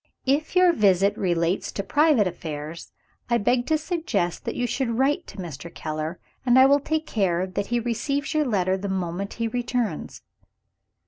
If your visit relates to private affairs, I beg to suggest that you should write to Mr. Keller I will take care that he receives your letter the moment he returns."